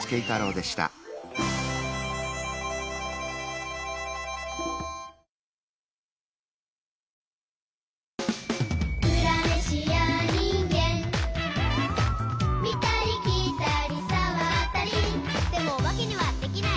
「でもおばけにはできない。」